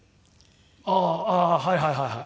ああはいはいはいはい。